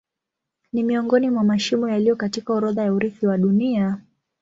Ni miongoni mwa mashimo yaliyo katika orodha ya urithi wa Dunia.